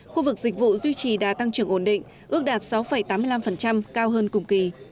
khu vực dịch vụ duy trì đã tăng trưởng ổn định ước đạt sáu tám mươi năm cao hơn cùng kỳ